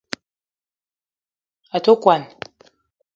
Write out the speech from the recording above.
A te kwuan